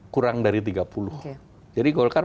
kurang dari tiga puluh jadi golkar